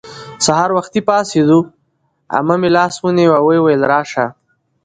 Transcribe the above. سهار وختي پاڅېدو. عمه مې لاس ونیو او ویې ویل:راشه